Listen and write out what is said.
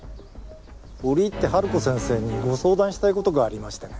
折り入ってハルコ先生にご相談したいことがありましてね。